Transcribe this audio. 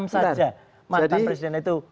saja jadi pak esby itu